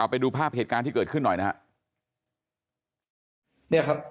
ไปดูภาพเหตุการณ์ที่เกิดขึ้นหน่อยนะครับ